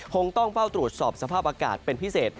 คงต้องเฝ้าตรวจสอบสภาพอากาศเป็นพิเศษ